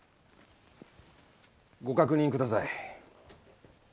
ご確認ください。